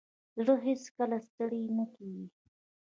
زړه هیڅکله ستړی نه کېږي.